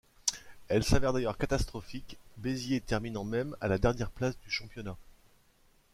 Elle s'avère d'ailleurs catastrophique, Béziers terminant même à la dernière place du championnat.